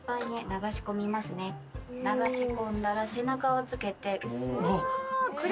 流し込んだら背中をつけて薄く。